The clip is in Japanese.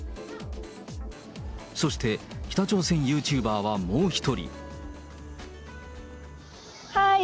そして北朝鮮ユーチューバーはもう１人。